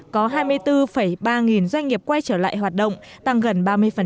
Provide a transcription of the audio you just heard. có hai mươi bốn ba nghìn doanh nghiệp quay trở lại hoạt động tăng gần ba mươi